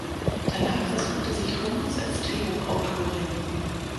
Danach versuchte sich Thomas als Drehbuchautorin.